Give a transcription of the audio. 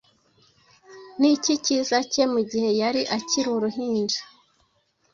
Niki cyiza cye mugihe yari akiri uruhinja